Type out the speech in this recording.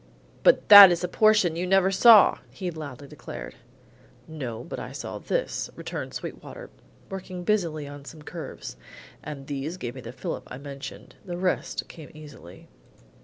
"But that is a portion you never saw," he loudly declared. "No, but I saw this," returned Sweetwater, working busily on some curves; "and these gave me the fillip I mentioned. The rest came easily."